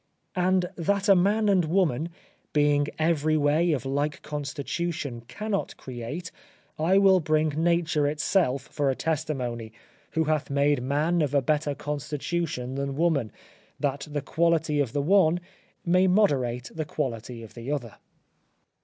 And that a man and woman, being every way of like constitution, cannot create, I will bring nature itself for a testimony, who hath made man of a better constitution than woman, that the quality of the one, may moderate the quality of the other.